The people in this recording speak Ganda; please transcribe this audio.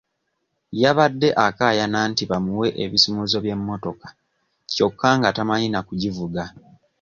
Yabadde akaayana nti bamuwe ebisumuluzo by'emmotoka kyokka nga tamanyi na kugivuga.